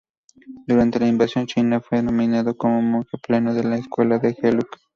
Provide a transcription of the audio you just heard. Durante la invasión China, fue nominado como monje pleno de la escuela de Gelug.